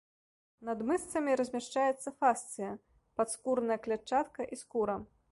Над мышцамі размяшчаецца фасцыя, падскурная клятчатка і скура.